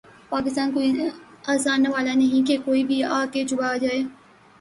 پاکستان کوئی آسان نوالہ نہیں کہ کوئی بھی آ کے چبا جائے۔